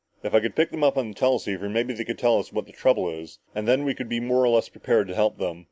"If I could pick them up on the teleceiver, maybe they could tell us what the trouble is and then we could more or less be prepared to help them."